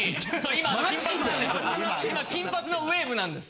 今金髪のウェーブなんです。